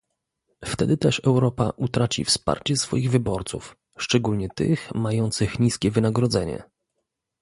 Wtedy też Europa utraci wsparcie swoich wyborców, szczególnie tych mających niskie wynagrodzenie